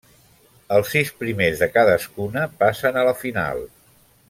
Els sis primers de cadascuna passen a la final.